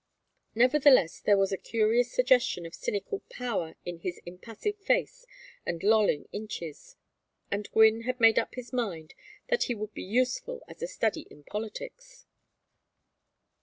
Nevertheless, there was a curious suggestion of cynical power in his impassive face and lolling inches, and Gwynne had made up his mind that he would be useful as a study in politics.